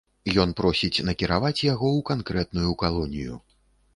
Ён просіць накіраваць яго ў канкрэтную калонію.